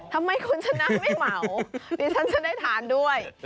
ทำไมคุณชนะไม่เหมาดิฉันจะได้ทานด้วย